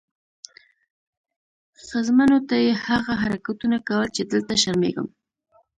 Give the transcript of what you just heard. ښځمنو ته یې هغه حرکتونه کول چې دلته شرمېږم.